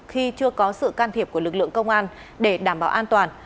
khi chưa có sự can thiệp của lực lượng công an để đảm bảo an toàn